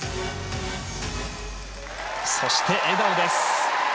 そして、笑顔です。